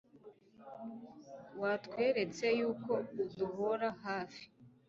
watweretse y'uko uduhora hafi